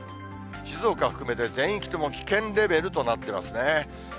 静岡を含めて全域とも危険レベルとなってますね。